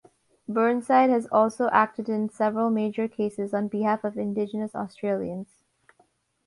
Burnside has also acted in several major cases on behalf of Indigenous Australians.